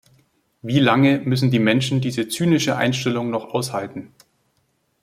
Wie lange müssen die Menschen diese zynische Einstellung noch aushalten?